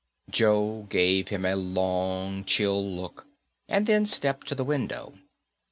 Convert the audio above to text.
Joe gave him a long, chill look and then stepped to the window.